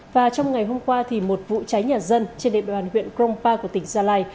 và trong ngày hôm qua thì một vụ cháy nhà dân trên đệm đoàn huyện crompa của tỉnh gia lai